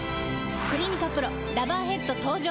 「クリニカＰＲＯラバーヘッド」登場！